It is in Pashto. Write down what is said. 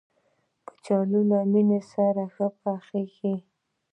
کچالو له مېنې سره پخېږي